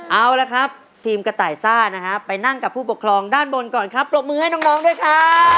เอาละครับทีมกระต่ายซ่านะฮะไปนั่งกับผู้ปกครองด้านบนก่อนครับปรบมือให้น้องด้วยครับ